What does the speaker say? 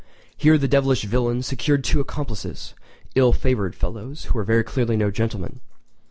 Here the devilish villain secured two accomplices—ill favoured fellows who were very clearly no gentlemen.